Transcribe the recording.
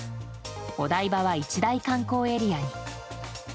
お台場は一大観光エリアに。